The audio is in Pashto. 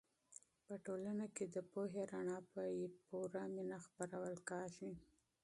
په ټولنه کې د پوهې رڼا په پوره مینه خپرول کېږي.